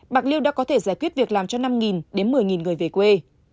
bạc liêu đã có thể giải quyết việc làm cho năm đến một mươi người về quê